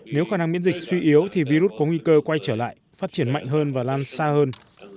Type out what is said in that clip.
nếu khả năng miễn dịch suy yếu thì virus có nguy cơ quay trở lại phát triển mạnh hơn và lan xa hơn